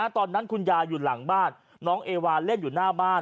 คุณยายอยู่หลังบ้านน้องเอวาเล่นอยู่หน้าบ้าน